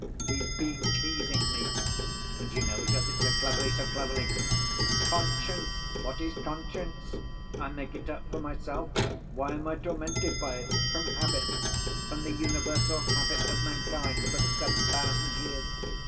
"He's been teasing me. And you know he does it so cleverly, so cleverly. 'Conscience! What is conscience? I make it up for myself. Why am I tormented by it? From habit. From the universal habit of mankind for the seven thousand years.